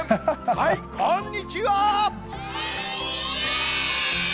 はい、こんにちは。